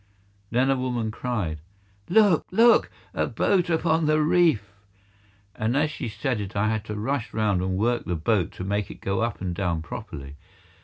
Then a woman cried, "Look! Look! a boat upon the reef!" And as she said it I had to rush round and work the boat to make it go up and down properly.